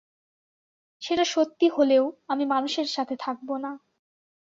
সেটা সত্যি হলেও, আমি মানুষের সাথে থাকবো না।